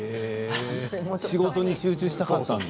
仕事に集中したかったんだ